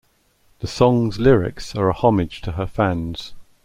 The song's lyrics are a homage to her fans.